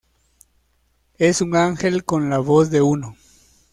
Es un ángel con la voz de uno.